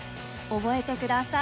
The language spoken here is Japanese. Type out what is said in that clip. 覚えてください。